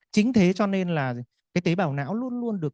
chính thế cho nên là cái tế bào não luôn luôn được